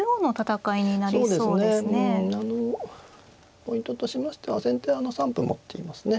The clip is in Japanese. ポイントとしましては先手は３歩持っていますね。